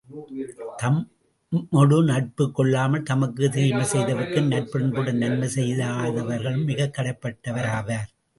தம்மொடு நட்பு கொள்ளாமல் தமக்குத் தீமை செய்தவர்க்கும் நற்பண்புடன் நன்மை செய்யாதவர்கள் மிகவும் கடைப்பட்டவராவர்.